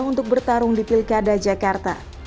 untuk bertarung di pilkada jakarta